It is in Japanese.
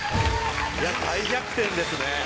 大逆転ですね。